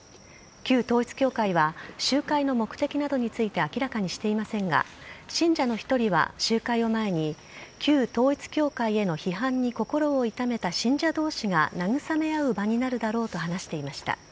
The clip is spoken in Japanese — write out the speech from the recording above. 旧統一教会は集会の目的などについて明らかにしていませんが信者の１人は集会を前に旧統一教会への批判に心を痛めた信者同士が慰め合う場になるだろうと話していました。